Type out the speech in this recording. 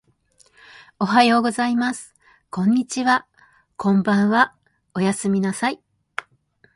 おはようございます。こんにちは。こんばんは。おやすみなさい。